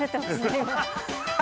今。